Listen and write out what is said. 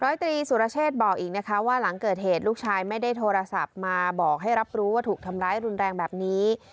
ตรีสุรเชษบอกอีกนะคะว่าหลังเกิดเหตุลูกชายไม่ได้โทรศัพท์มาบอกให้รับรู้ว่าถูกทำร้ายรุนแรงแบบนี้